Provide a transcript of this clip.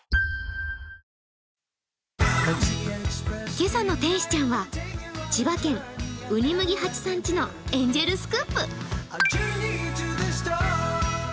今朝の天使ちゃん、千葉県うにむぎはちまき家のエンジェルスクープ。